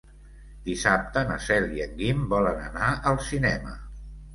Dissabte na Cel i en Guim volen anar al cinema.